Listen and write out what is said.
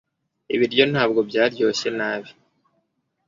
Ibiryo ntabwo byaryoshye nabi